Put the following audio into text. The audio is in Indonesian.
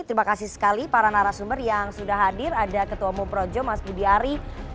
terima kasih sekali para narasumber yang sudah hadir ada ketua moprojo mas budi ari kemudian politisi gian